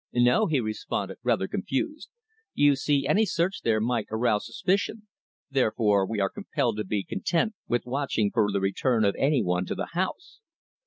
"No," he responded, rather confused. "You see any search there might arouse suspicion. Therefore we are compelled to be content with watching for the return of any one to the house."